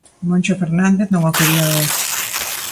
Moncho Fernández non o quería ver.